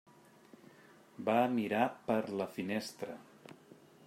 Va mirar per la finestra.